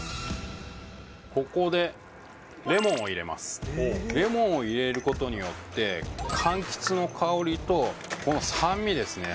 ここでレモンを入れますレモンを入れることによって柑橘の香りとこの酸味ですね